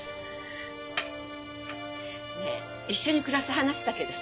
ねえ一緒に暮らす話だけどさ。